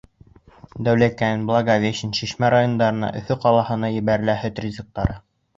Дәүләкән, Благовещен, Шишмә райондарына, Өфө ҡалаһына ебәрелә һөт ризыҡтары.